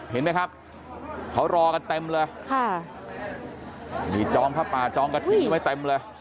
เห็นไหมครับเขารอกันเต็มเลยค่ะนี่จองผ้าป่าจองกะทิไว้เต็มเลย